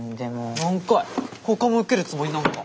ほかも受けるつもりなんか？